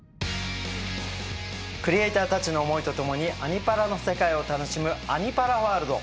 クリエーターたちの思いとともに「アニ×パラ」の世界を楽しむ「アニ×パラワールド」。